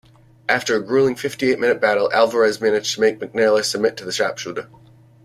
After a grueling fifty-eight-minute battle, Alvarez managed to make McNaler submit to the sharpshooter.